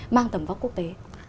mang tầm vóc quốc tế